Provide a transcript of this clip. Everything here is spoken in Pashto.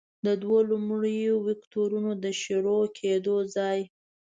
د دوو لومړنیو وکتورونو د شروع کیدو ځای.